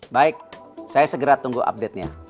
baik saya segera tunggu update nya